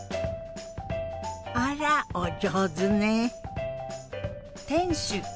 あらお上手ね！